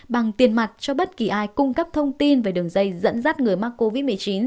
bằng tiền mặt cho bất kỳ ai cung cấp thông tin về đường dây dẫn dắt người mắc covid một mươi chín